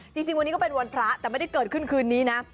จริงวันนี้ก็เป็นวันพระแต่ไม่ได้เกิดขึ้นคืนนี้นะ